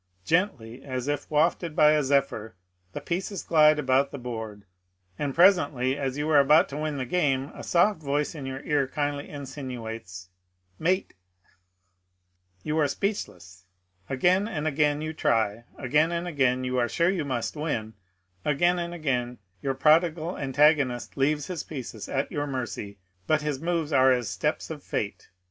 I Gently as if wafted by a zephyr the pieces glide about the board ; and presently as you are about to win the game a soft voice in your ear kindly insinuates, Mate I You are speechless. Again and again you try ; again and a^ain you are sure you must win ; again and again your prodigal antago nist leaves his pieces at your mercy ; but his moves are as the steps of Fate.